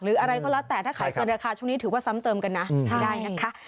หรืออะไรก็แล้วแต่ถ้าขายจนราคาช่วงนี้ถือว่าซ้ำเติมกันนะ